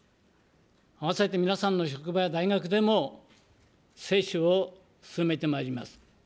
併せて、皆さんの職場や大学でも接種を進めてまいります。